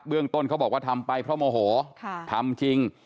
เรื่องต้นเขาบอกว่าทำไปเพราะโมโหทำจริง